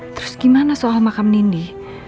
terus gimana soal makam nindi